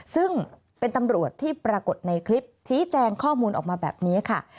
ซึ่งเป็นตำรวจที่ปรากฏในคลิปชี้แจงข้อมูลออกมาแบบนี้ค่ะ